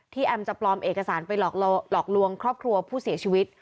แอมจะปลอมเอกสารไปหลอกลวงครอบครัวผู้เสียชีวิต